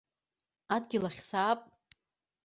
Адгьыл ахь саап.